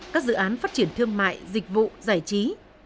các dự án phát triển thương mại dịch vụ giải trí